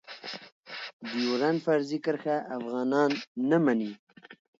ډيورنډ فرضي کرښه افغانان نه منی.